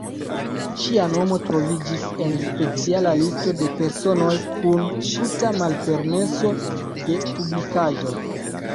Ŝia nomo troviĝis en speciala listo de personoj kun tuta malpermeso de publikaĵoj.